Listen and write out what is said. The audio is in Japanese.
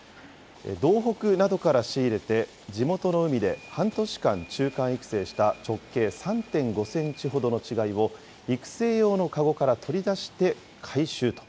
道北などから仕入れて、地元の海で半年間、中間育成した直径３．５センチほどの稚貝を、育成用の籠から取り出して、回収と。